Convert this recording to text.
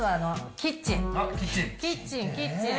キッチン、キッチン。